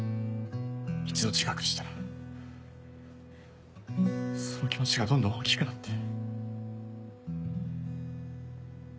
一度自覚したらその気持ちがどんどん大きくなって。